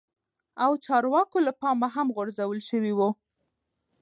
او چارواکو له پا مه هم غور ځول شوي وه